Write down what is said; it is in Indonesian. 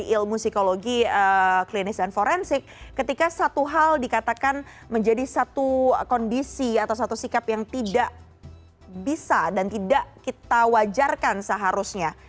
ilmu psikologi klinis dan forensik ketika satu hal dikatakan menjadi satu kondisi atau satu sikap yang tidak bisa dan tidak kita wajarkan seharusnya